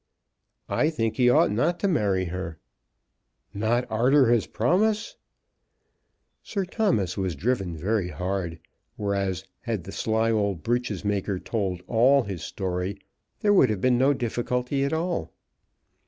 "I think he ought not to marry her." "Not arter his promise?" Sir Thomas was driven very hard, whereas had the sly old breeches maker told all his story, there would have been no difficulty at all.